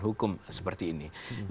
hukum seperti ini